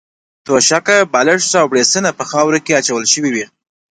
توشکه، بالښت او بړستنه په خاورو کې اچول شوې وې.